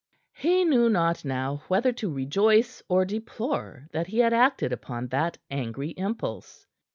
He knew not now whether to rejoice or deplore that he had acted upon that angry impulse.